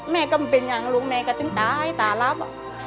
แม่ก็เป็นอย่างรู้แม่ก็ต้องตายต่ารับ